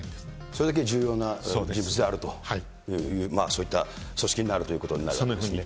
それだけ重要な人物であるという、そういった組織になるということになるわけですね。